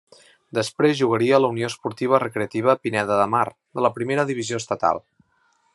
Després jugaria a la Unió Esportiva Recreativa Pineda de Mar, de la primera divisió estatal.